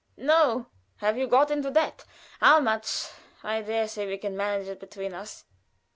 "No." "Have you got into debt? How much? I dare say we can manage it between us."